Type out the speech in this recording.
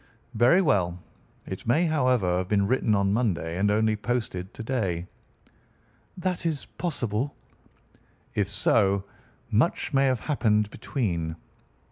"Very well. It may, however, have been written on Monday and only posted to day." "That is possible." "If so, much may have happened between."